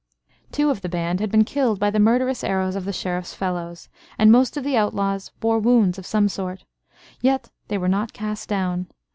Two of the band had been killed by the murderous arrows of the Sheriff's fellows, and most of the outlaws bore wounds of some sort. Yet they were not cast down.